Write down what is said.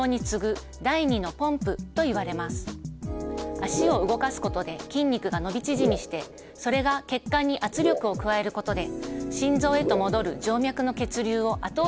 脚を動かすことで筋肉が伸び縮みしてそれが血管に圧力を加えることで心臓へと戻る静脈の血流を後押ししています。